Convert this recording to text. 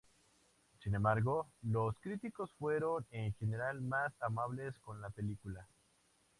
Sin embargo, los críticos fueron en general más amables con la película.